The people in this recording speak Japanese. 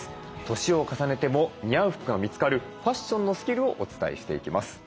年を重ねても似合う服が見つかるファッションのスキルをお伝えしていきます。